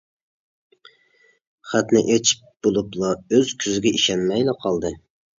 خەتنى ئېچىپ بولۇپلا ئۆز كۆزىگە ئىشەنمەيلا قالدى.